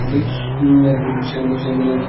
সে বললে, সন্দীপ!